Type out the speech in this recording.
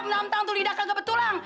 menantang tulidak kaget tulang